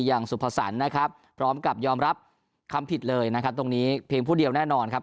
อย่างสุภสรรค์นะครับพร้อมกับยอมรับคำผิดเลยนะครับตรงนี้เพียงผู้เดียวแน่นอนครับ